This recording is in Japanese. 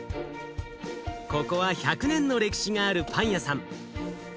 ここは１００年の歴史があるパン屋さん。